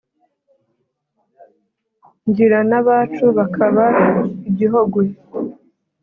ngira n’abacu bakaba i gihogwe